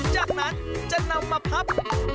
จากนั้นจะนำมาพับ